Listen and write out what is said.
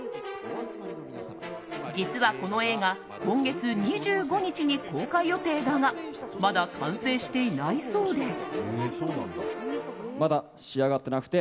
実は、この映画今月２５日に公開予定だがまだ完成していないそうで。